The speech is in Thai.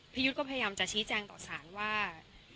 ยุทธ์ก็พยายามจะชี้แจงต่อสารว่า